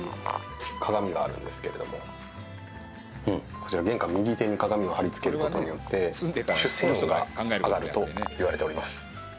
こちら玄関右手に鏡を貼り付けることによって出世運が上がるといわれております。